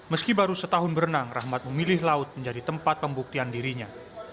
meski baru setahun berenang rahmat memilih laut menjadi tempat pembuktian dirinya